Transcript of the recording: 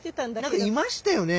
なんかいましたよね？